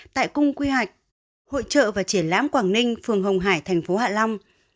tại cung quy hoạch hội trợ và triển lãm quảng ninh phường hồng hải thành phố hạ long